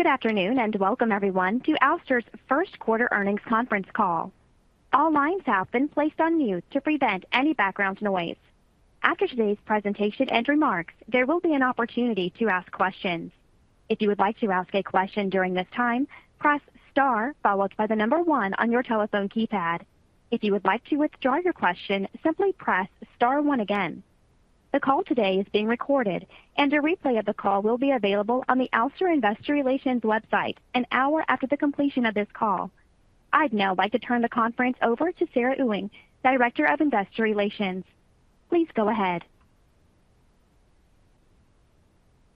Good afternoon, and welcome everyone to Ouster's first quarter earnings conference call. All lines have been placed on mute to prevent any background noise. After today's presentation and remarks, there will be an opportunity to ask questions. If you would like to ask a question during this time, press star followed by the number one on your telephone keypad. If you would like to withdraw your question, simply press star one again. The call today is being recorded and a replay of the call will be available on the Ouster Investor Relations website an hour after the completion of this call. I'd now like to turn the conference over to Sarah Ewing, Director of Investor Relations. Please go ahead.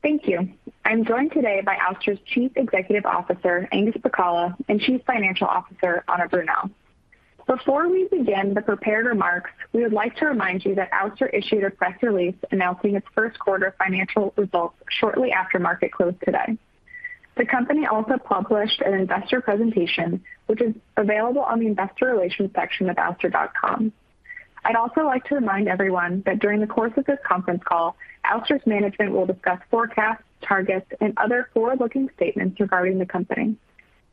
Thank you. I'm joined today by Ouster's Chief Executive Officer, Angus Pacala, and Chief Financial Officer, Anna Brunelle. Before we begin the prepared remarks, we would like to remind you that Ouster issued a press release announcing its first quarter financial results shortly after market close today. The company also published an investor presentation which is available on the investor relations section of ouster.com. I'd also like to remind everyone that during the course of this conference call, Ouster's management will discuss forecasts, targets, and other forward-looking statements regarding the company,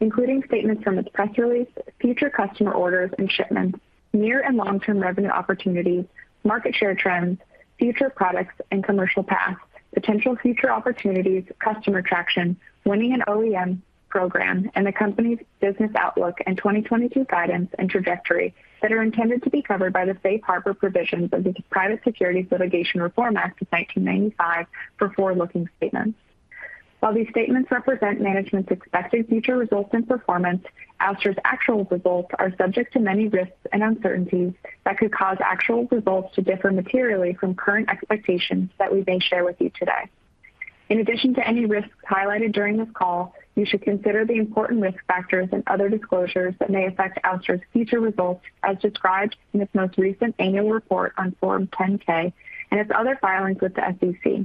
including statements from its press release, future customer orders and shipments, near and long-term revenue opportunities, market share trends, future products and commercial paths, potential future opportunities, customer traction, winning an OEM program, and the company's business outlook, and 2022 guidance and trajectory that are intended to be covered by the safe harbor provisions of the Private Securities Litigation Reform Act of 1995 for forward-looking statements. While these statements represent management's expected future results and performance, Ouster's actual results are subject to many risks and uncertainties that could cause actual results to differ materially from current expectations that we may share with you today. In addition to any risks highlighted during this call, you should consider the important risk factors and other disclosures that may affect Ouster's future results as described in its most recent annual report on Form 10-K, and its other filings with the SEC.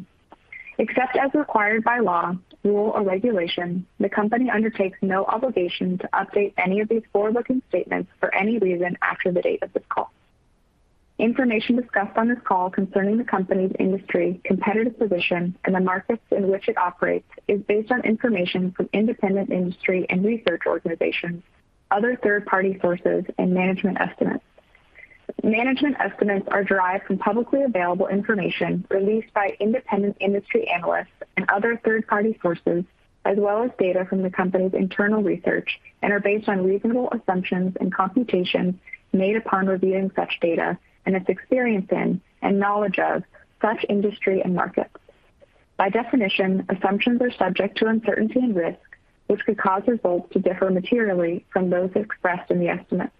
Except as required by law, rule, or regulation, the company undertakes no obligation to update any of these forward-looking statements for any reason after the date of this call. Information discussed on this call concerning the company's industry, competitive position, and the markets in which it operates, is based on information from independent industry and research organizations, other third-party sources and management estimates. Management estimates are derived from publicly available information released by independent industry analysts and other third-party sources, as well as data from the company's internal research and are based on reasonable assumptions and computations made upon reviewing such data and its experience in and knowledge of such industry and markets. By definition, assumptions are subject to uncertainty and risk, which could cause results to differ materially from those expressed in the estimates.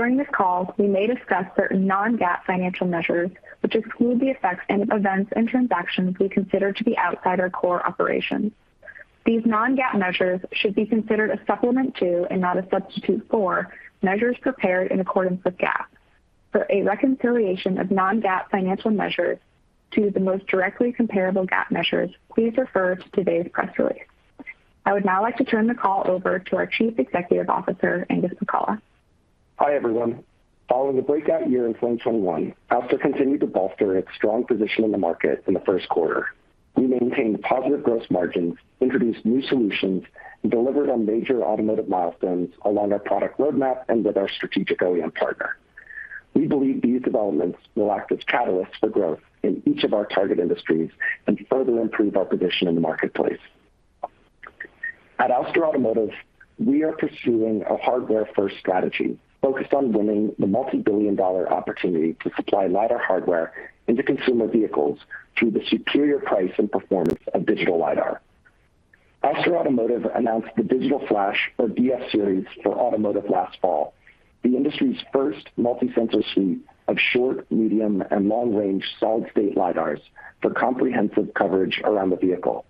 During this call, we may discuss certain non-GAAP financial measures which exclude the effects and events and transactions we consider to be outside our core operations. These non-GAAP measures should be considered a supplement to and not a substitute for measures prepared in accordance with GAAP. For a reconciliation of non-GAAP financial measures to the most directly comparable GAAP measures, please refer to today's press release. I would now like to turn the call over to our Chief Executive Officer, Angus Pacala. Hi, everyone. Following a breakout year in 2021, Ouster continued to bolster its strong position in the market in the first quarter. We maintained positive gross margins, introduced new solutions, and delivered on major automotive milestones along our product roadmap and with our strategic OEM partner. We believe these developments will act as catalysts for growth in each of our target industries and further improve our position in the marketplace. At Ouster Automotive, we are pursuing a hardware-first strategy focused on winning the multi-billion dollar opportunity to supply lidar hardware into consumer vehicles through the superior price and performance of digital lidar. Ouster Automotive announced the Digital Flash, or DF series for automotive last fall, the industry's first multi-sensor suite of short, medium, and long-range solid-state lidars for comprehensive coverage around the vehicle.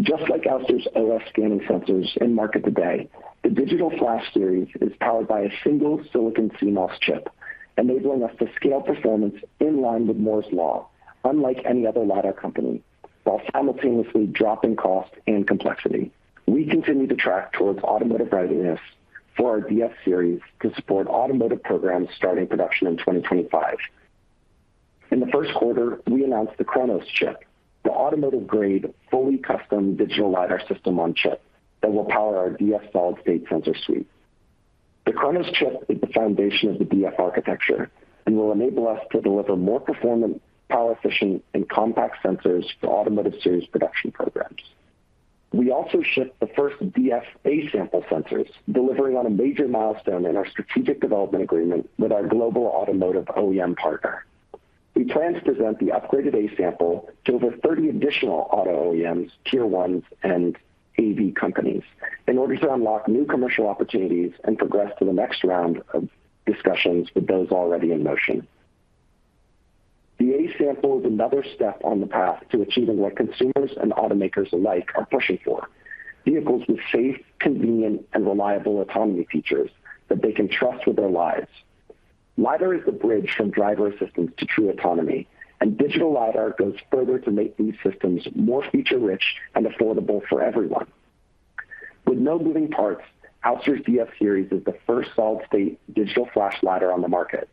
Just like Ouster's OS scanning sensors in market today, the Digital Flash series is powered by a single silicon CMOS chip, enabling us to scale performance in line with Moore's Law unlike any other lidar company, while simultaneously dropping cost and complexity. We continue to track toward automotive readiness for our DF series to support automotive programs starting production in 2025. In the first quarter, we announced the Chronos chip, the automotive-grade fully custom digital lidar system-on-chip that will power our DF solid-state sensor suite. The Chronos chip is the foundation of the DF architecture and will enable us to deliver more performant, power efficient, and compact sensors for automotive series production programs. We also shipped the first DF A-sample sensors, delivering on a major milestone in our strategic development agreement with our global automotive OEM partner. We plan to present the upgraded A-sample to over 30 additional auto OEMs, Tier ones, and AV companies in order to unlock new commercial opportunities and progress to the next round of discussions with those already in motion. The A-sample is another step on the path to achieving what consumers and automakers alike are pushing for. Vehicles with safe, convenient, and reliable autonomy features that they can trust with their lives. Lidar is the bridge from driver assistance to true autonomy, and digital lidar goes further to make these systems more feature-rich and affordable for everyone. With no moving parts, Ouster's DF series is the first solid-state Digital Flash lidar on the market.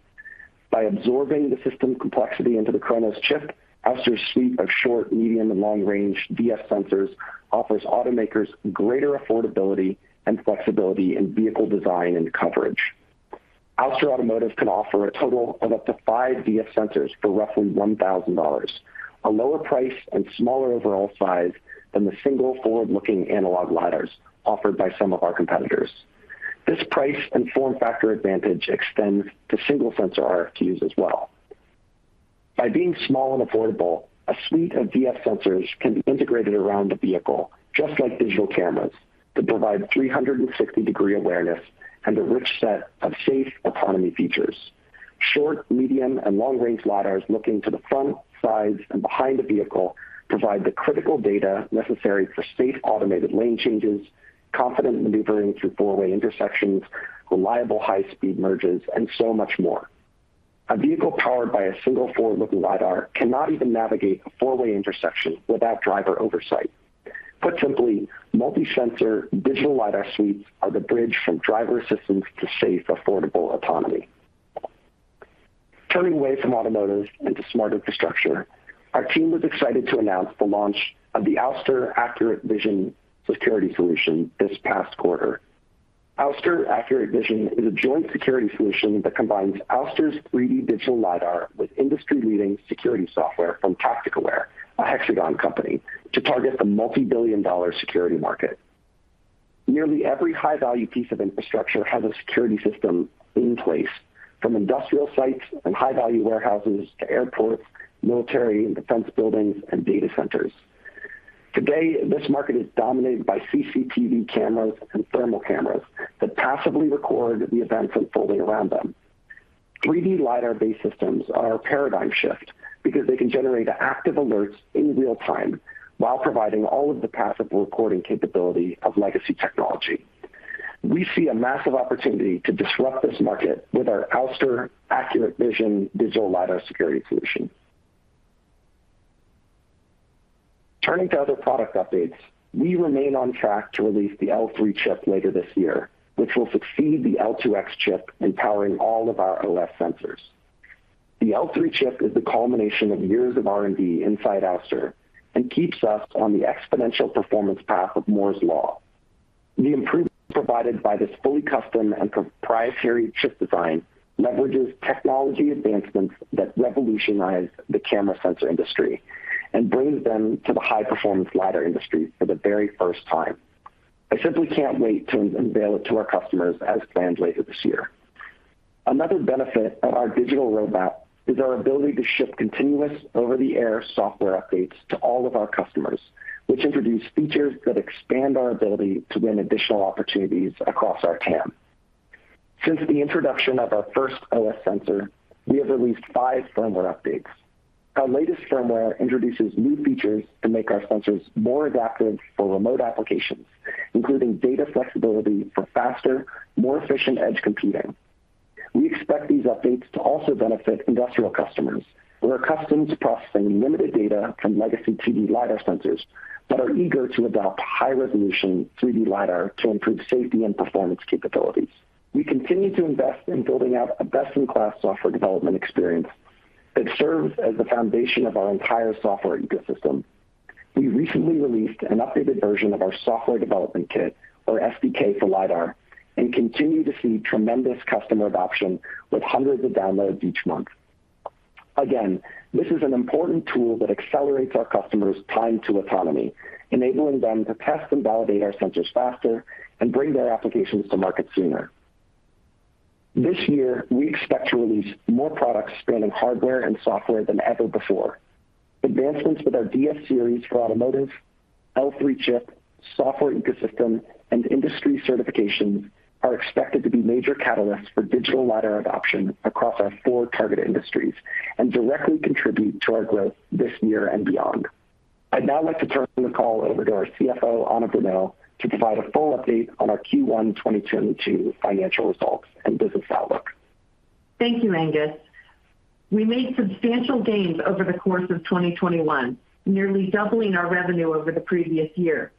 By absorbing the system complexity into the Chronos chip, Ouster's suite of short, medium, and long-range DF sensors offers automakers greater affordability and flexibility in vehicle design and coverage. Ouster Automotive can offer a total of up to five DF sensors for roughly $1,000, a lower price and smaller overall size than the single forward-looking analog lidars offered by some of our competitors. This price and form factor advantage extends to single sensor RFQs as well. By being small and affordable, a suite of DF sensors can be integrated around the vehicle, just like digital cameras, to provide 360-degree awareness and a rich set of safe autonomy features. Short, medium, and long-range lidars looking to the front, sides, and behind the vehicle provide the critical data necessary for safe automated lane changes, confident maneuvering through four-way intersections, reliable high-speed merges, and so much more. A vehicle powered by a single forward-looking lidar cannot even navigate a four-way intersection without driver oversight. Put simply, multi-sensor digital lidar suites are the bridge from driver assistance to safe, affordable autonomy. Turning away from automotive into smart infrastructure, our team was excited to announce the launch of the Ouster x Accur8vision security solution this past quarter. Ouster x Accur8vision is a joint security solution that combines Ouster's 3D digital lidar with industry-leading security software from Tacticaware, a Hexagon company, to target the multi-billion-dollar security market. Nearly every high-value piece of infrastructure has a security system in place, from industrial sites and high-value warehouses to airports, military and defense buildings, and data centers. Today, this market is dominated by CCTV cameras and thermal cameras that passively record the events unfolding around them. 3D lidar-based systems are a paradigm shift because they can generate active alerts in real time while providing all of the passive recording capability of legacy technology. We see a massive opportunity to disrupt this market with our Ouster x Accur8vision digital lidar security solution. Turning to other product updates, we remain on track to release the L3 chip later this year, which will succeed the L2X chip and powering all of our OS sensors. The L3 chip is the culmination of years of R&D inside Ouster and keeps us on the exponential performance path of Moore's Law. The improvements provided by this fully custom and proprietary chip design leverages technology advancements that revolutionize the camera sensor industry and brings them to the high-performance lidar industry for the very first time. I simply can't wait to unveil it to our customers as planned later this year. Another benefit of our digital roadmap is our ability to ship continuous over-the-air software updates to all of our customers, which introduce features that expand our ability to win additional opportunities across our TAM. Since the introduction of our first OS sensor, we have released five firmware updates. Our latest firmware introduces new features to make our sensors more adaptive for remote applications, including data flexibility for faster, more efficient edge computing. We expect these updates to also benefit industrial customers who are accustomed to processing limited data from legacy 2D lidar sensors but are eager to adopt high-resolution 3D lidar to improve safety and performance capabilities. We continue to invest in building out a best-in-class software development experience that serves as the foundation of our entire software ecosystem. We recently released an updated version of our software development kit or SDK for lidar and continue to see tremendous customer adoption with hundreds of downloads each month. Again, this is an important tool that accelerates our customers' time to autonomy, enabling them to test and validate our sensors faster and bring their applications to market sooner. This year, we expect to release more products spanning hardware and software than ever before. Advancements with our DF series for automotive, L3 chip, software ecosystem, and industry certifications are expected to be major catalysts for digital lidar adoption across our four target industries and directly contribute to our growth this year and beyond. I'd now like to turn the call over to our CFO, Anna Brunelle, to provide a full update on our Q1 2022 financial results and business outlook. Thank you, Angus. We made substantial gains over the course of 2021, nearly doubling our revenue over the previous year.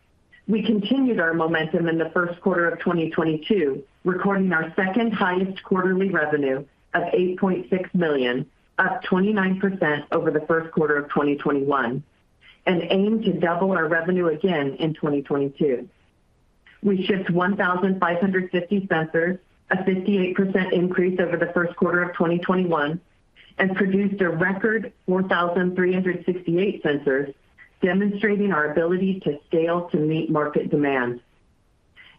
We continued our momentum in the first quarter of 2022, recording our second highest quarterly revenue of $8.6 million, up 29% over the first quarter of 2021, and aim to double our revenue again in 2022. We shipped 1,550 sensors, a 58% increase over the first quarter of 2021, and produced a record 4,368 sensors, demonstrating our ability to scale to meet market demands.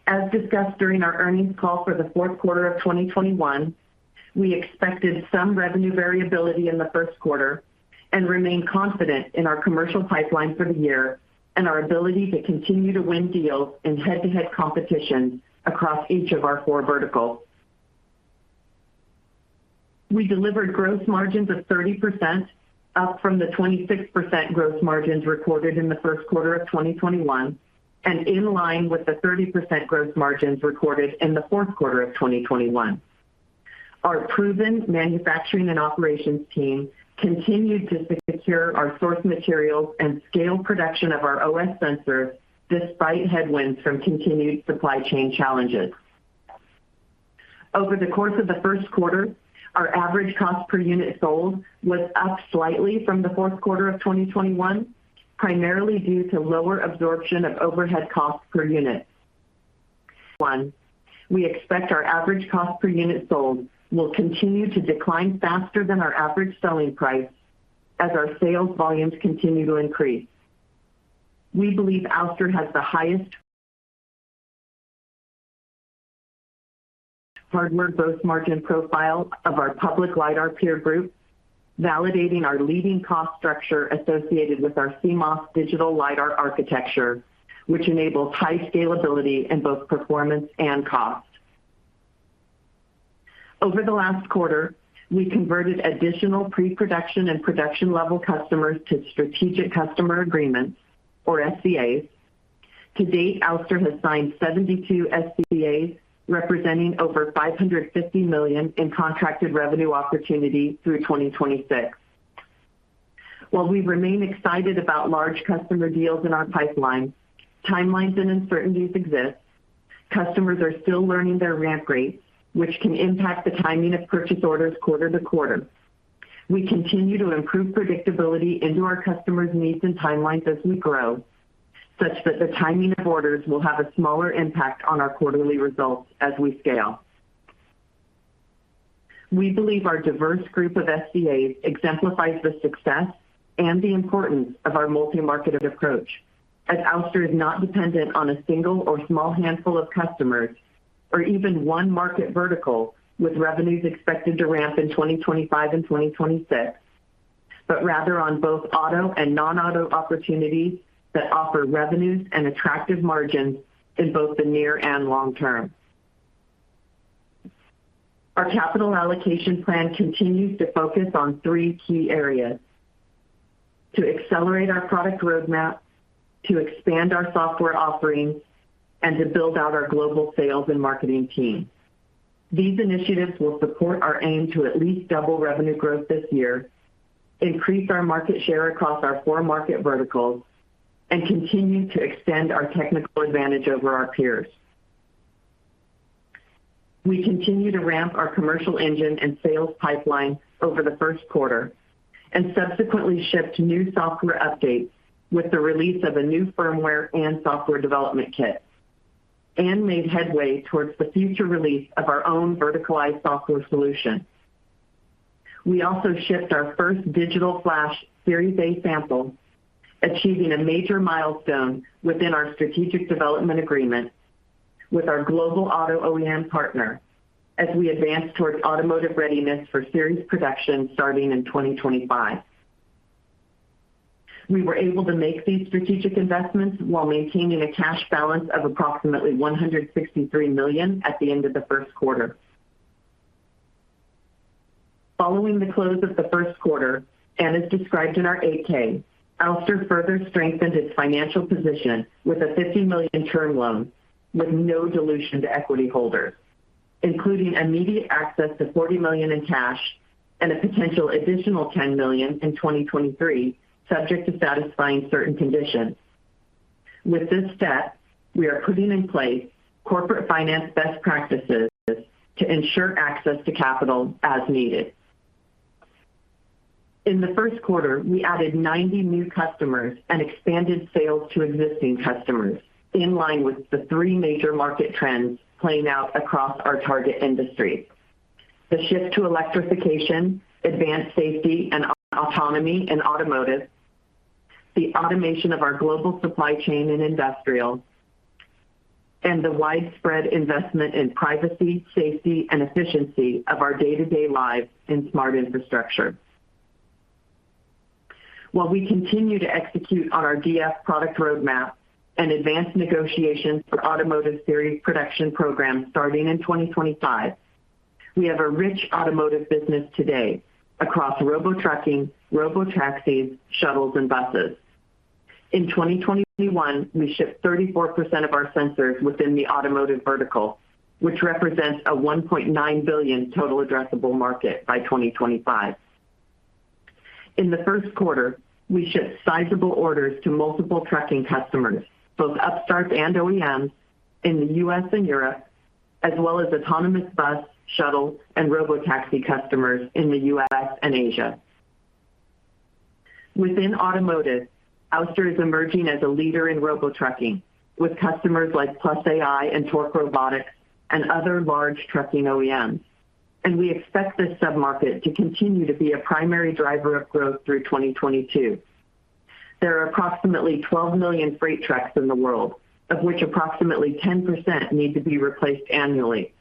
As discussed during our earnings call for the fourth quarter of 2021, we expected some revenue variability in the first quarter and remain confident in our commercial pipeline for the year and our ability to continue to win deals in head-to-head competition across each of our four verticals. We delivered gross margins of 30%, up from the 26% gross margins recorded in the first quarter of 2021 and in line with the 30% gross margins recorded in the fourth quarter of 2021. Our proven manufacturing and operations team continued to secure our source materials and scale production of our OS sensor despite headwinds from continued supply chain challenges. Over the course of the first quarter, our average cost per unit sold was up slightly from the fourth quarter of 2021, primarily due to lower absorption of overhead costs per unit. One, we expect our average cost per unit sold will continue to decline faster than our average selling price as our sales volumes continue to increase. We believe Ouster has the highest hardware gross margin profile of our public lidar peer group, validating our leading cost structure associated with our CMOS digital lidar architecture, which enables high scalability in both performance and cost. Over the last quarter, we converted additional pre-production and production level customers to strategic customer agreements or SCAs. To date, Ouster has signed 72 SCAs, representing over $550 million in contracted revenue opportunity through 2026. While we remain excited about large customer deals in our pipeline, timelines and uncertainties exist. Customers are still learning their ramp rates, which can impact the timing of purchase orders quarter to quarter. We continue to improve predictability into our customers' needs and timelines as we grow, such that the timing of orders will have a smaller impact on our quarterly results as we scale. We believe our diverse group of SCAs exemplifies the success and the importance of our multi-marketed approach, as Ouster is not dependent on a single or small handful of customers or even one market vertical, with revenues expected to ramp in 2025 and 2026, but rather on both auto and non-auto opportunities that offer revenues and attractive margins in both the near and long term. Our capital allocation plan continues to focus on three key areas, to accelerate our product roadmap, to expand our software offerings, and to build out our global sales and marketing team. These initiatives will support our aim to at least double revenue growth this year, increase our market share across our four market verticals, and continue to extend our technical advantage over our peers. We continue to ramp our commercial engine and sales pipeline over the first quarter and subsequently shipped new software updates with the release of a new firmware and software development kit, and made headway towards the future release of our own verticalized software solution. We also shipped our first Digital Flash series A-sample, achieving a major milestone within our strategic development agreement with our global auto OEM partner as we advance towards automotive readiness for series production starting in 2025. We were able to make these strategic investments while maintaining a cash balance of approximately $163 million at the end of the first quarter. Following the close of the first quarter and as described in our 8-K, Ouster further strengthened its financial position with a $50 million term loan with no dilution to equity holders, including immediate access to $40 million in cash and a potential additional $10 million in 2023, subject to satisfying certain conditions. With this step, we are putting in place corporate finance best practices to ensure access to capital as needed. In the first quarter, we added 90 new customers and expanded sales to existing customers in line with the three major market trends playing out across our target industry. The shift to electrification, advanced safety and autonomy in automotive, the automation of our global supply chain in industrial, and the widespread investment in privacy, safety, and efficiency of our day-to-day lives in smart infrastructure. While we continue to execute on our DF product roadmap and advance negotiations for automotive series production programs starting in 2025, we have a rich automotive business today across robo trucking, robo taxis, shuttles, and buses. In 2021, we shipped 34% of our sensors within the automotive vertical, which represents a $1.9 billion total addressable market by 2025. In the first quarter, we shipped sizable orders to multiple trucking customers, both upstarts and OEMs in the U.S. and Europe, as well as autonomous bus, shuttle and robo taxi customers in the U.S. and Asia. Within automotive, Ouster is emerging as a leader in robo trucking with customers like Plus.ai And Torc Robotics and other large trucking OEMs. We expect this sub-market to continue to be a primary driver of growth through 2022. There are approximately 12 million freight trucks in the world, of which approximately 10% need to be replaced annually.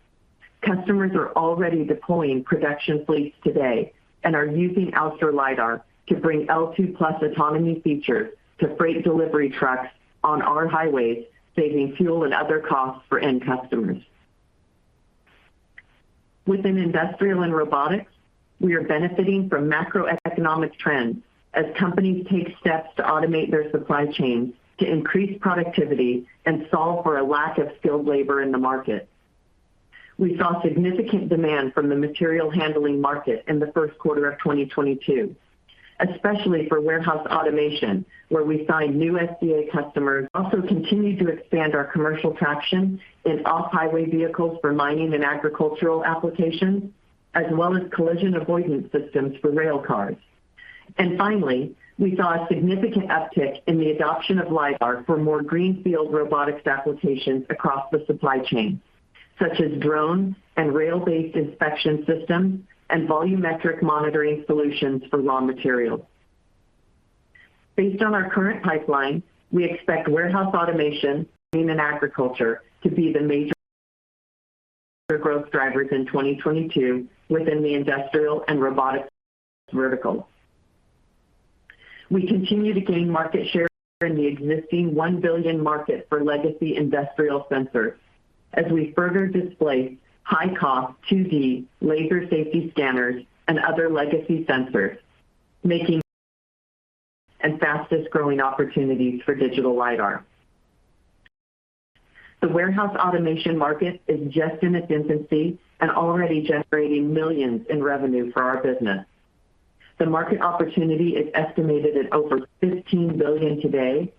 Customers are already deploying production fleets today and are using Ouster lidar to bring L2+ autonomy features to freight delivery trucks on our highways, saving fuel and other costs for end customers. Within industrial and robotics, we are benefiting from macroeconomic trends as companies take steps to automate their supply chains to increase productivity and solve for a lack of skilled labor in the market. We saw significant demand from the material handling market in the first quarter of 2022, especially for warehouse automation, where we signed new SCA customers. Continued to expand our commercial traction in off-highway vehicles for mining and agricultural applications, as well as collision avoidance systems for rail cars. Finally, we saw a significant uptick in the adoption of lidar for more greenfield robotics applications across the supply chain, such as drone and rail-based inspection systems and volumetric monitoring solutions for raw materials. Based on our current pipeline, we expect warehouse automation, mining, and agriculture to be the major growth drivers in 2022 within the industrial and robotics verticals. We continue to gain market share in the existing $1 billion market for legacy industrial sensors as we further displace high-cost 2D laser safety scanners and other legacy sensors, making it the fastest-growing opportunities for digital lidar. The warehouse automation market is just in its infancy and already generating millions in revenue for our business. The market opportunity is estimated at over $15 billion today,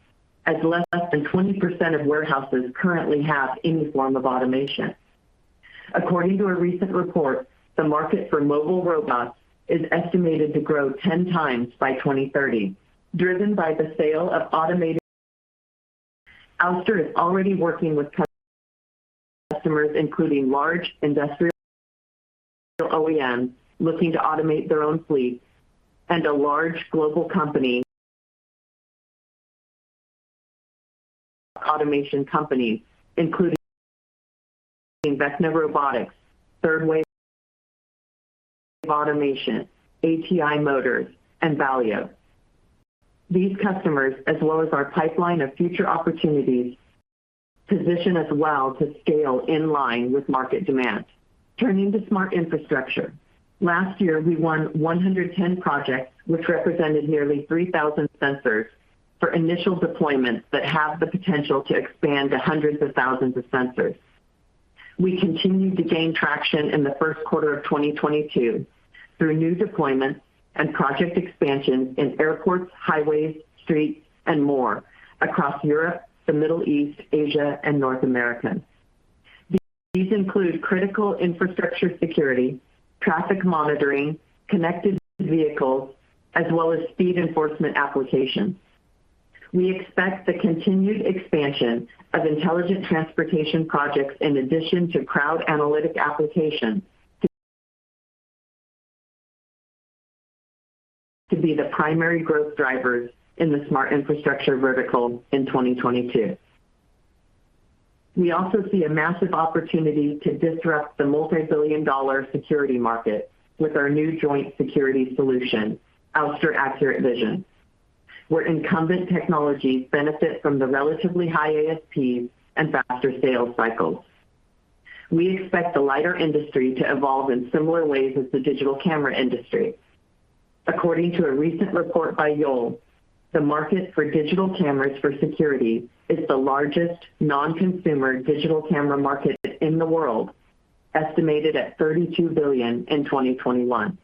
as less than 20% of warehouses currently have any form of automation. According to a recent report, the market for mobile robots is estimated to grow 10x by 2030, driven by the sale of automated. Ouster is already working with customers, including large industrial OEMs looking to automate their own fleet and a large global company. Automation companies, including Vecna Robotics, Third Wave Automation, Ati Motors, and Valeo. These customers, as well as our pipeline of future opportunities, position us well to scale in line with market demand. Turning to smart infrastructure, last year we won 110 projects, which represented nearly 3,000 sensors for initial deployments that have the potential to expand to hundreds of thousands of sensors. We continue to gain traction in the first quarter of 2022 through new deployments and project expansions in airports, highways, streets, and more across Europe, the Middle East, Asia, and North America. These include critical infrastructure security, traffic monitoring, connected vehicles, as well as speed enforcement applications. We expect the continued expansion of intelligent transportation projects in addition to crowd analytic applications to be the primary growth drivers in the smart infrastructure vertical in 2022. We also see a massive opportunity to disrupt the multi-billion-dollar security market with our new joint security solution, Ouster x Accur8vision, where incumbent technologies benefit from the relatively high ASPs and faster sales cycles. We expect the lidar industry to evolve in similar ways as the digital camera industry. According to a recent report by Yole, the market for digital cameras for security is the largest non-consumer digital camera market in the world, estimated at $32 billion in 2021.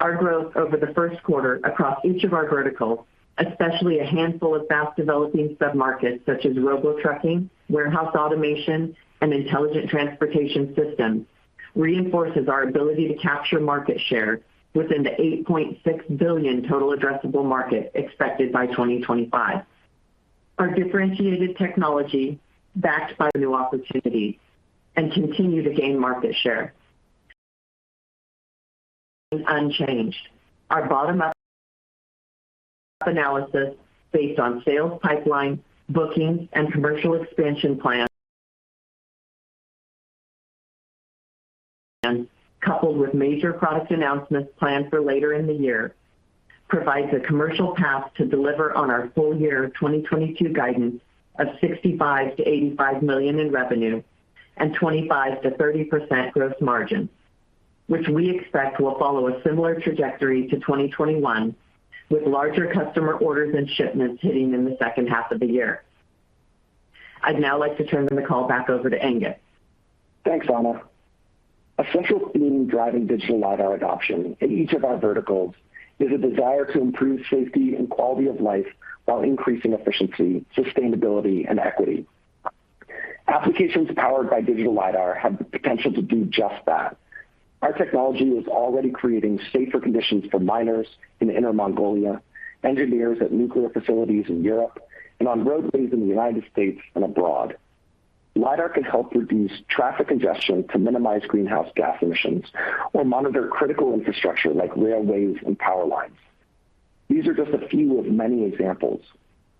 Our growth over the first quarter across each of our verticals, especially a handful of fast-developing submarkets such as robo-trucking, warehouse automation, and intelligent transportation systems, reinforces our ability to capture market share within the $8.6 billion total addressable market expected by 2025. Our differentiated technology backed by new opportunities and continues to gain market share. Unchanged. Our bottom-up analysis based on sales pipeline, bookings, and commercial expansion plans, coupled with major product announcements planned for later in the year, provides a commercial path to deliver on our full year 2022 guidance of $65 million-$85 million in revenue and 25%-30% gross margin, which we expect will follow a similar trajectory to 2021, with larger customer orders and shipments hitting in the H2 of the year. I'd now like to turn the call back over to Angus. Thanks, Anna. A central theme driving digital lidar adoption in each of our verticals is a desire to improve safety and quality of life while increasing efficiency, sustainability and equity. Applications powered by digital lidar have the potential to do just that. Our technology is already creating safer conditions for miners in Inner Mongolia, engineers at nuclear facilities in Europe and on roadways in the United States and abroad. Lidar can help reduce traffic congestion to minimize greenhouse gas emissions or monitor critical infrastructure like railways and power lines. These are just a few of many examples.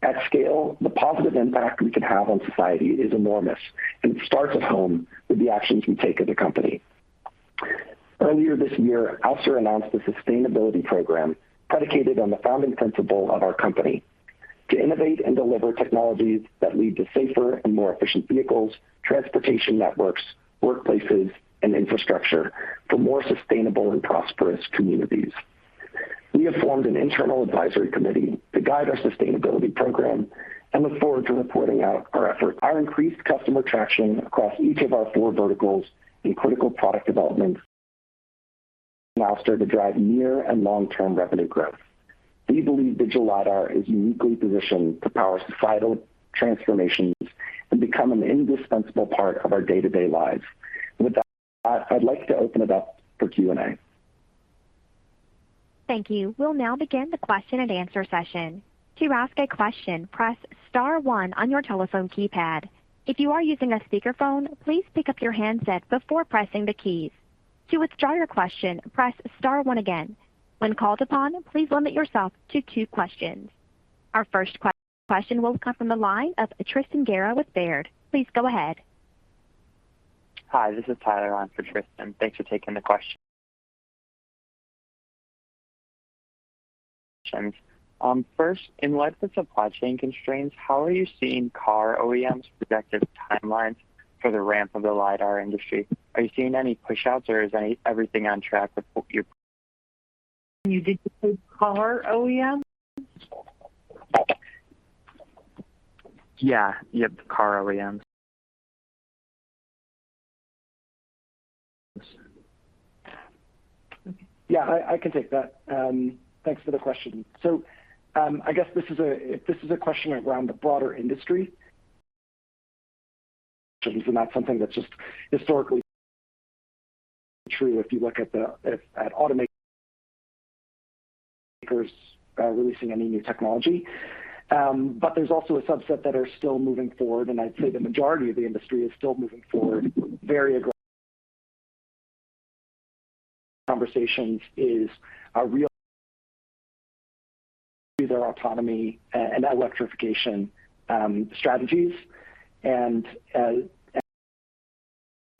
At scale, the positive impact we can have on society is enormous, and it starts at home with the actions we take as a company. Earlier this year, Ouster announced a sustainability program predicated on the founding principle of our company. To innovate and deliver technologies that lead to safer and more efficient vehicles, transportation networks, workplaces, and infrastructure for more sustainable and prosperous communities. We have formed an internal advisory committee to guide our sustainability program and look forward to reporting out our efforts. Our increased customer traction across each of our four verticals in critical product development milestones to drive near- and long-term revenue growth. We believe digital lidar is uniquely positioned to power societal transformations and become an indispensable part of our day-to-day lives. With that, I'd like to open it up for Q&A. Thank you. We'll now begin the question and answer session. To ask a question, press star one on your telephone keypad. If you are using a speakerphone, please pick up your handset before pressing the keys. To withdraw your question, press star one again. When called upon, please limit yourself to two questions. Our first question will come from the line of Tristan Gerra with Baird. Please go ahead. Hi, this is Tyler on for Tristan. Thanks for taking the question. First, in light of the supply chain constraints, how are you seeing car OEMs projected timelines for the ramp of the lidar industry? Are you seeing any pushouts or is everything on track with what? Did you say car OEM? Yeah. Yep, car OEMs. Yeah, I can take that. Thanks for the question. I guess if this is a question around the broader industry, and that's something that's just historically true if you look at automakers releasing any new technology. There's also a subset that are still moving forward, and I'd say the majority of the industry is still moving forward very aggressively to their autonomy and electrification strategies and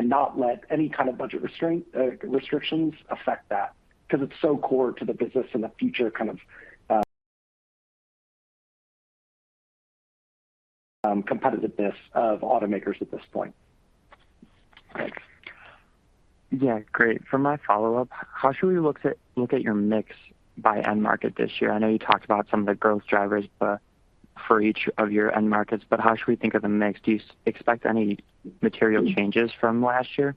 not let any kind of budget restraint restrictions affect that 'cause it's so core to the business and the future kind of competitiveness of automakers at this point. Thanks. Yeah. Great. For my follow-up, how should we look at your mix by end market this year? I know you talked about some of the growth drivers, but for each of your end markets. How should we think of the mix? Do you expect any material changes from last year?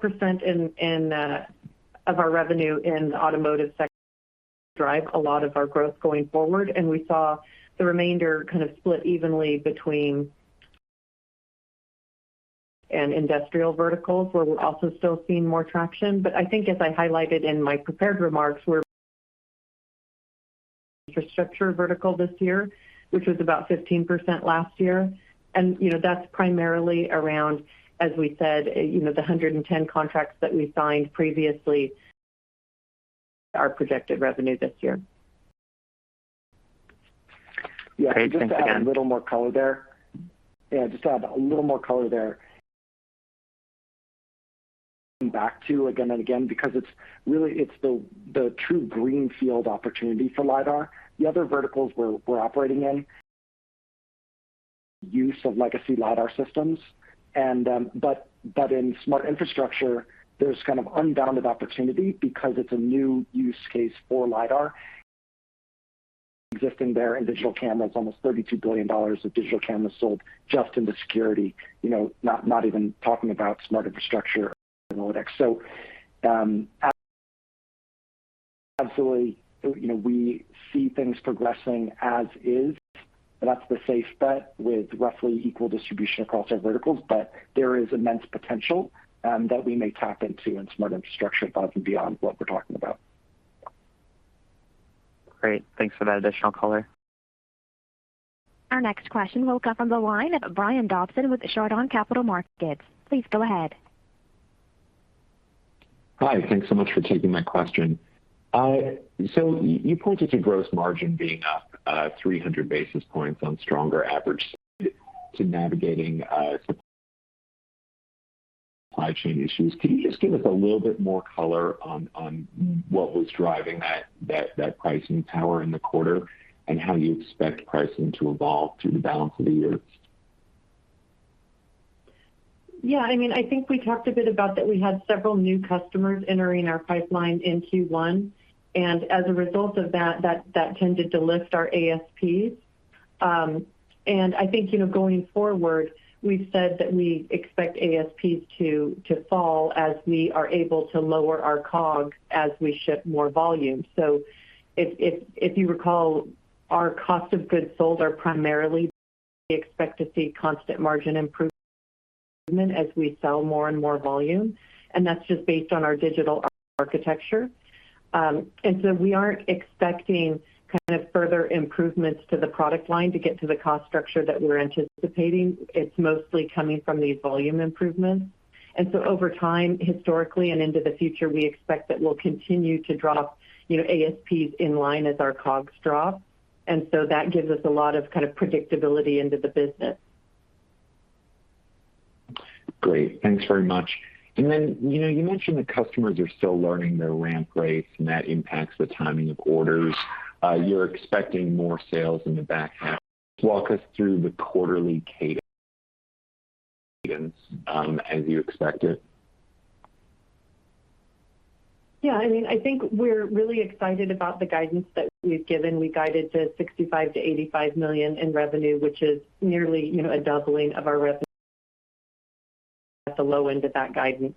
Percent of our revenue in the automotive sector drive a lot of our growth going forward, and we saw the remainder kind of split evenly between industrial verticals, where we're also still seeing more traction. I think as I highlighted in my prepared remarks, infrastructure vertical this year, which was about 15% last year. You know, that's primarily around, as we said, you know, the 110 contracts that we signed previously our projected revenue this year. Great. Thanks again. Just to add a little more color there. Back to it again and again because it's really the true greenfield opportunity for lidar. The other verticals we're operating in use of legacy lidar systems. In smart infrastructure, there's kind of unbounded opportunity because it's a new use case for lidar in digital cameras, almost $32 billion of digital cameras sold just in the security, you know, not even talking about smart infrastructure analytics. Absolutely, you know, we see things progressing as is. That's the safe bet with roughly equal distribution across our verticals. There is immense potential that we may tap into in smart infrastructure above and beyond what we're talking about. Great. Thanks for that additional color. Our next question will come from the line of Brian Dobson with Chardan Capital Markets. Please go ahead. Hi. Thanks so much for taking my question. You pointed to gross margin being up 300 basis points on stronger averaging and navigating supply chain issues. Can you just give us a little bit more color on what was driving that pricing power in the quarter and how you expect pricing to evolve through the balance of the year? Yeah. I mean, I think we talked a bit about that we had several new customers entering our pipeline in Q1. As a result of that tended to lift our ASPs. I think, you know, going forward, we've said that we expect ASPs to fall as we are able to lower our COGS as we ship more volume. If you recall, our cost of goods sold, we primarily expect to see constant margin improvement as we sell more and more volume. That's just based on our digital architecture. We aren't expecting kind of further improvements to the product line to get to the cost structure that we're anticipating. It's mostly coming from these volume improvements. Over time, historically and into the future, we expect that we'll continue to drop, you know, ASPs in line as our COGS drop. That gives us a lot of kind of predictability into the business. Great. Thanks very much. You know, you mentioned that customers are still learning their ramp rates and that impacts the timing of orders. You're expecting more sales in the back half. Walk us through the quarterly cadence, as you expect it. Yeah, I mean, I think we're really excited about the guidance that we've given. We guided to $65 million-$85 million in revenue, which is nearly, you know, a doubling of our revenue at the low end of that guidance.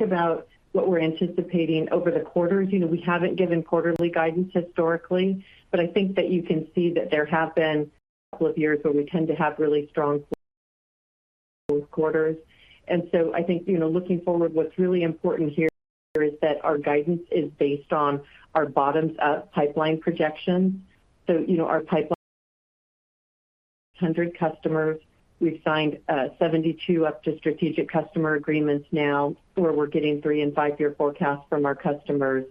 About what we're anticipating over the quarters, you know, we haven't given quarterly guidance historically, but I think that you can see that there have been a couple of years where we tend to have really strong quarters. I think, you know, looking forward, what's really important here is that our guidance is based on our bottoms up pipeline projections. You know, our pipeline hundred customers. We've signed 72 up to strategic customer agreements now where we're getting three and five year forecasts from our customers.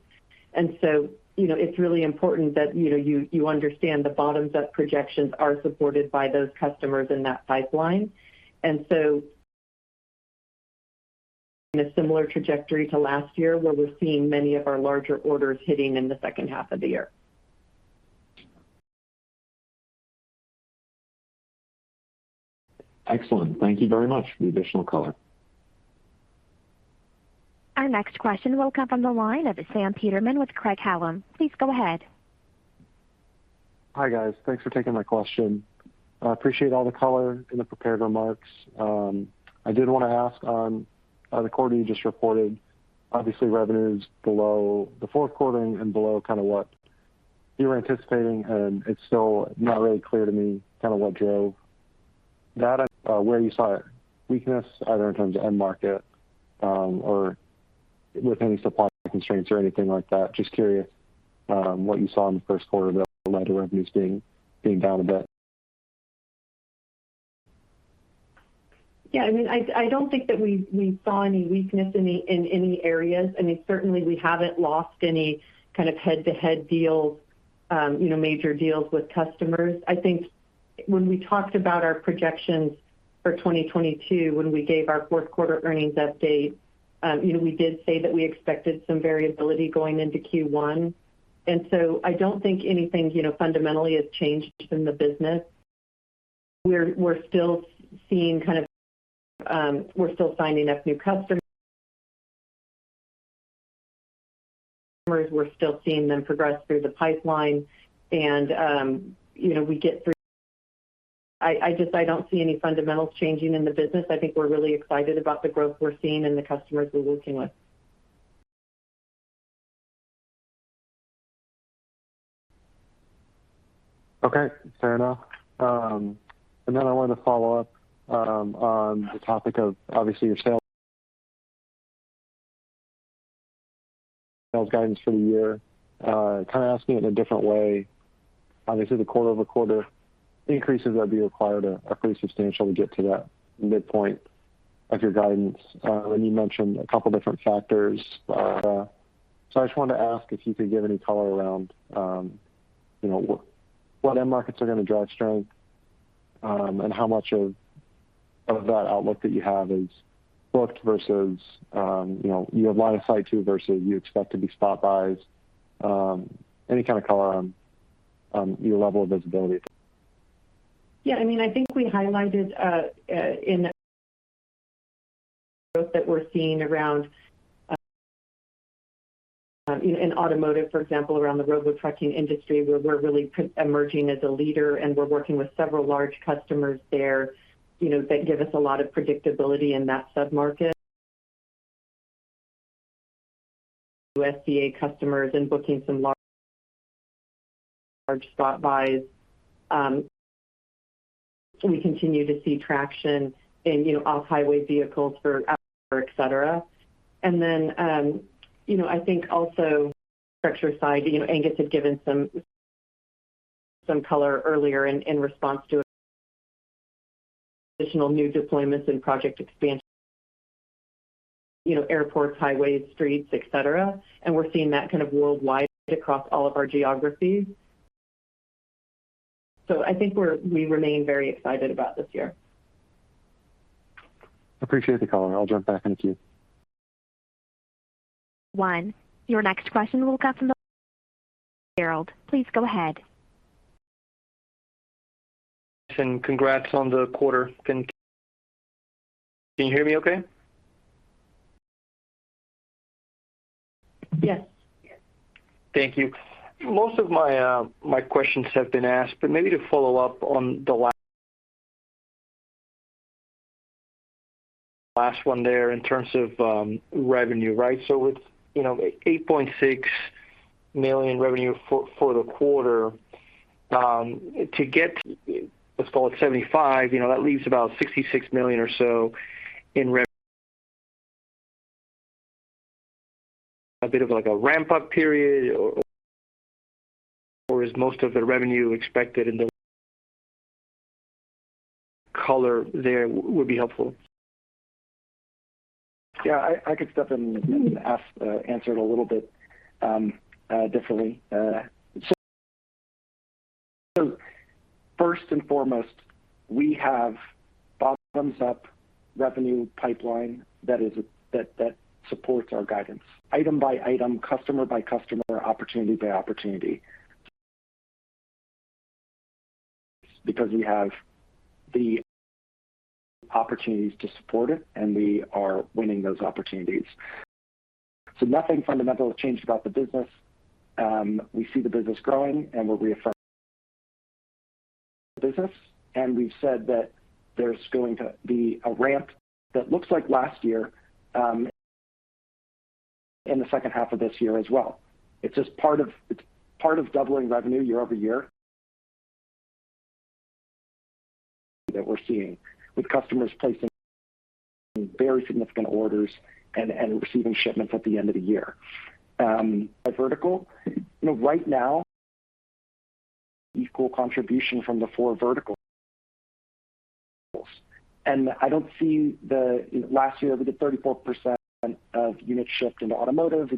You know, it's really important that, you know, you understand the bottoms-up projections are supported by those customers in that pipeline. In a similar trajectory to last year, where we're seeing many of our larger orders hitting in the H2 of the year. Excellent. Thank you very much for the additional color. Our next question will come from the line of Sam Peterman with Craig-Hallum. Please go ahead. Hi, guys. Thanks for taking my question. I appreciate all the color in the prepared remarks. I did want to ask on the quarter you just reported, obviously revenue is below the fourth quarter and below kind of what you were anticipating, and it's still not really clear to me kind of what drove that, where you saw weakness either in terms of end market, or with any supply constraints or anything like that. Just curious, what you saw in the first quarter that led to revenues being down a bit. Yeah, I mean, I don't think that we saw any weakness in any areas. I mean, certainly we haven't lost any kind of head-to-head deals, you know, major deals with customers. I think when we talked about our projections for 2022, when we gave our fourth quarter earnings update, you know, we did say that we expected some variability going into Q1. I don't think anything, you know, fundamentally has changed in the business. We're still seeing kind of, we're still signing up new customers. We're still seeing them progress through the pipeline. You know, I don't see any fundamentals changing in the business. I think we're really excited about the growth we're seeing and the customers we're working with. Okay, fair enough. I wanted to follow up on the topic of obviously your sales guidance for the year. Kind of asking it in a different way. Obviously, the quarter-over-quarter increases would be required are pretty substantial to get to that midpoint of your guidance. You mentioned a couple different factors. I just wanted to ask if you could give any color around, you know, what end markets are going to drive strength, and how much of that outlook that you have is booked versus, you know, you have line of sight to versus you expect to be spot buys. Any kind of color on your level of visibility? Yeah, I mean, I think we highlighted in growth that we're seeing around in automotive, for example, around the road with trucking industry, where we're really emerging as a leader and we're working with several large customers there, you know, that give us a lot of predictability in that sub-market. Our customers and booking some large spot buys. We continue to see traction in, you know, off-highway vehicles for outdoor, et cetera. I think also infrastructure side, you know, Angus had given some color earlier in response to additional new deployments and project expansion, you know, airports, highways, streets, et cetera. We're seeing that kind of worldwide across all of our geographies. I think we remain very excited about this year. Appreciate the color. I'll jump back in a queue. One your next question will come from the line of Gerald. Please go ahead. Congrats on the quarter. Can you hear me okay? Yes. Thank you. Most of my questions have been asked, but maybe to follow up on the last one there in terms of revenue, right? With, you know, $8.6 million revenue for the quarter to get, let's call it $75 million, you know, that leaves about $66 million or so. A bit of like a ramp up period or is most of the revenue expected? Color there would be helpful. Yeah, I could step in and answer it a little bit differently. First and foremost, we have bottoms-up revenue pipeline that supports our guidance item by item, customer by customer, opportunity by opportunity. Because we have the opportunities to support it, and we are winning those opportunities. Nothing fundamental has changed about the business. We see the business growing, and we reaffirm business. We've said that there's going to be a ramp that looks like last year in the second half of this year as well. It's just part of doubling revenue year-over-year that we're seeing with customers placing very significant orders and receiving shipments at the end of the year. By vertical, you know, right now equal contribution from the four verticals. I don't see the last year we did 34% of unit shift into automotive,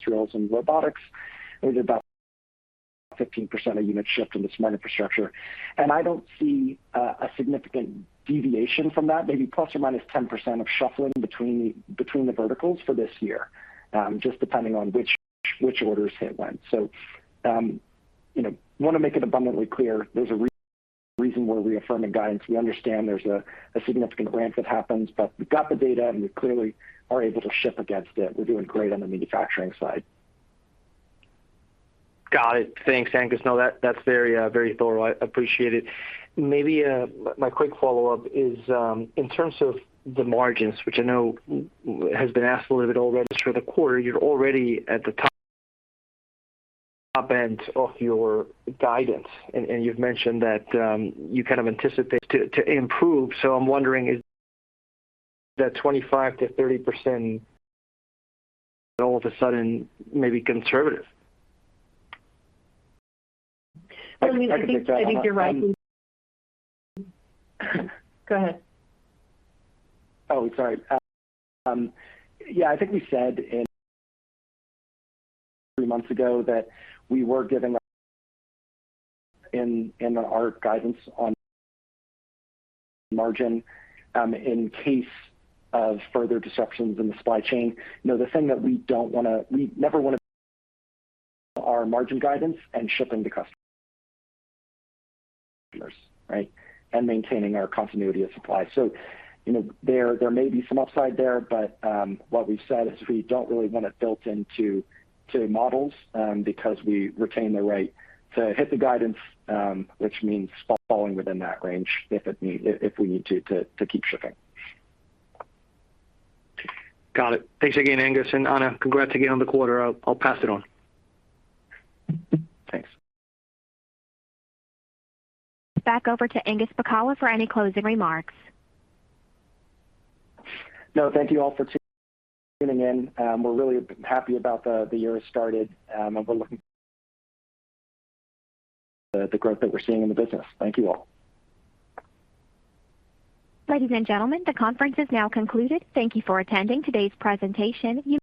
materials and robotics. It was about 15% of unit shift in the smart infrastructure. I don't see a significant deviation from that, maybe ±10% of shuffling between the verticals for this year, just depending on which orders hit when. You know, want to make it abundantly clear there's a reason we're reaffirming guidance. We understand there's a significant ramp that happens, but we've got the data, and we clearly are able to ship against it. We're doing great on the manufacturing side. Got it. Thanks, Angus. No, that's very, very thorough. I appreciate it. Maybe, my quick follow-up is, in terms of the margins, which I know has been asked a little bit already for the quarter, you're already at the top end of your guidance, and you've mentioned that, you kind of anticipate to improve. I'm wondering is that 25%-30% all of a sudden may be conservative? I think you're right. Go ahead. Oh, sorry. Yeah, I think we said three months ago that we were baking in our guidance on margin in case of further disruptions in the supply chain. You know, the thing that we don't wanna, we never want to alter our margin guidance and shipping to customers. Right? Maintaining our continuity of supply. You know, there may be some upside there, but what we've said is we don't really want it built into models because we retain the right to hit the guidance, which means falling within that range if we need to keep shipping. Got it. Thanks again, Angus. Anna, congrats again on the quarter. I'll pass it on. Thanks. Back over to Angus Pacala for any closing remarks. No, thank you all for tuning in. We're really happy about how the year started, and we're looking forward to the growth that we're seeing in the business. Thank you all. Ladies and gentlemen, the conference is now concluded. Thank you for attending today's presentation.